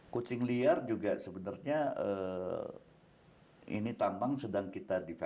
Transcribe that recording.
kucing liar juga sebenarnya ini tambang sedang kita defense